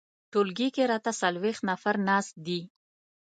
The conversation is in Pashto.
ټولګي کې راته څلویښت نفر ناست دي.